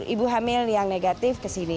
ibu hamil yang negatif ke sini